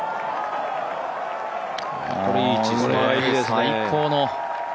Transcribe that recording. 最高の。